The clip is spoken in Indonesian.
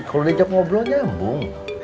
kalau diajak ngobrol nyambung